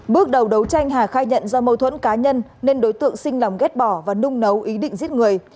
bước đầu đấu tranh hà khai nhận do mâu thuẫn cá nhân nên đối tượng xin lòng ghép bỏ và nung nấu ý định giết người